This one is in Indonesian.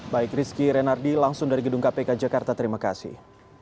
baik rizky renardi langsung dari gedung kpk jakarta terima kasih